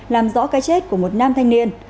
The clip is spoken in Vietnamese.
làm rõ cái chết của một nam thanh niên